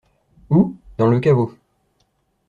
Où ? Dans le caveau.